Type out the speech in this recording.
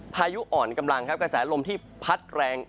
พายุอ่อนกำลังครับกระแสลมที่พัดแรง